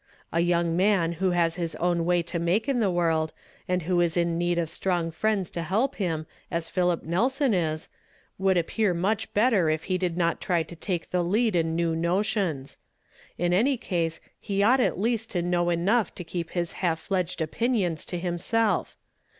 A young man who has his own way to make in the world, and who is in need of strong friends to help him, as Philip Nelson is, would appear much hotter if he did not try to take the lead in new notions ; in any case, lie ought at least to know enough to keep his half fledged opinions to him self.